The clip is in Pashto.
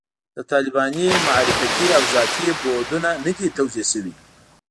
د طالبانو معرفتي او ذاتي بعدونه نه دي توضیح شوي.